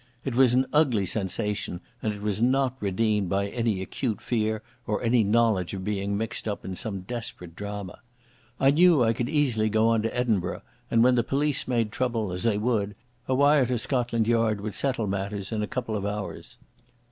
It was an ugly sensation, and it was not redeemed by any acute fear or any knowledge of being mixed up in some desperate drama. I knew I could easily go on to Edinburgh, and when the police made trouble, as they would, a wire to Scotland Yard would settle matters in a couple of hours.